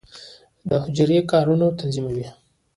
د حجره د کارونو تنظیموي.